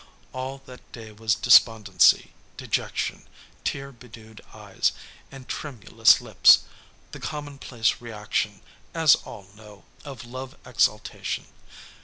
All that day was despondency, dejection, tear bedewed eyes, and tremulous lips, the commonplace reaction, as all know, of love exaltation.